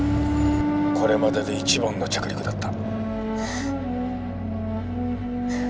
これまでで一番の着陸だった。